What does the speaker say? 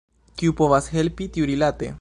Kiu povas helpi tiurilate?